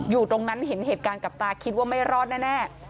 อยู่ตรงนั้นเห็นเหตุการณ์กับตาคิดว่าไม่รอดแน่